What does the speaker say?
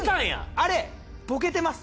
あれボケてます。